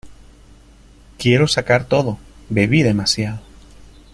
Quiero sacar todo: bebí demasiado.